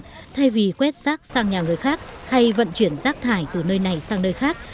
nếu rác thải được đưa sang nhà người khác hay vận chuyển rác thải từ nơi này sang nơi khác